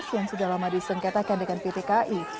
yang sudah lama disengketakan dengan ptki